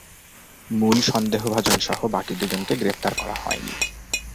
মূল সন্দেহভাজন সহ বাকি দুজনকে গ্রেপ্তার করা হয়নি।